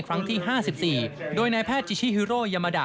ครั้งที่๕๔โดยนายแพทย์จิชิฮิโรยามาดะ